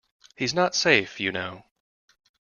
He's not safe, you know.